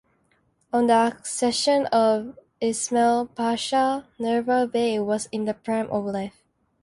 On the accession of Ismail Pasha, Nubar Bey was in the prime of life.